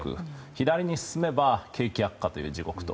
左に進めば景気悪化という地獄。